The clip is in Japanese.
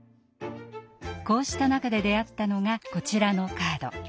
こうした中で出会ったのがこちらのカード。